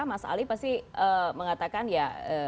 mas ali pasti mengatakan ya